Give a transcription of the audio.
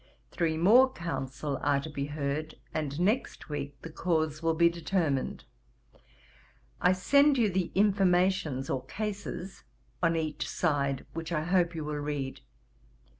Three more counsel are to be heard, and next week the cause will be determined. I send you the Informations, or Cases, on each side, which I hope you will read.